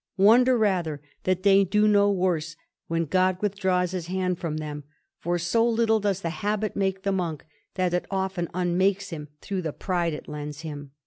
Wonder rather that they do no worse when God withdraws his hand from them, for so little does the habit make the monk, that it often unmakes him through the pride it lends him.